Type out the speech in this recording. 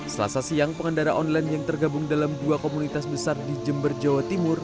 selasa siang pengendara online yang tergabung dalam dua komunitas besar di jember jawa timur